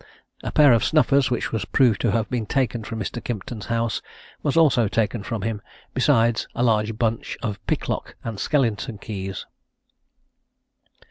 A pair of snuffers, which was proved to have been taken from Mr. Kimpton's house, was also taken from him, besides a large bunch of picklock and skeleton keys.